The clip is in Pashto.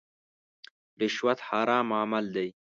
رشوت حرام عمل دی.